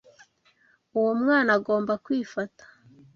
Uwo mwana agomba kwifata.